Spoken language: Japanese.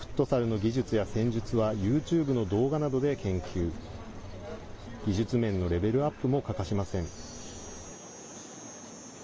技術面のレベルアップも欠かしません。